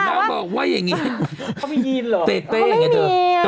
น้องบอกว่าอย่างงี้เต้เต้อย่างงี้เถอะ